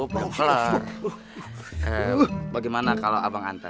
bagaimana kalau abang hantar